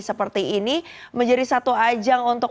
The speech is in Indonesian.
seperti ini menjadi satu ajang untuk